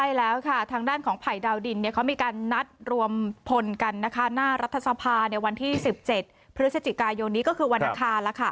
ใช่แล้วค่ะทางด้านผ่ายดาวดินเนี่ยนี่เขามีการนัดรวมพลกันนาคารรัฐสภาวน์ครับวันที่๑๗พฤศจิกายนนี้ก็คือวันอาคารแล้วค่ะ